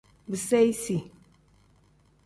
Biseyisi.